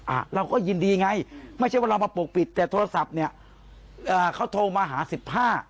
อ่าเราก็ยินดีไงไม่ใช่ว่าเรามาปกปิดแต่โทรศัพท์เนี้ยเอ่อเขาโทรมาหาสิบห้า